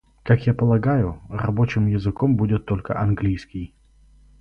Как я полагаю, рабочим языком будет только английский.